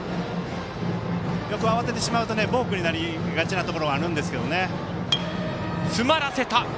慌ててしまうとボークになりがちなところあるんですけどね。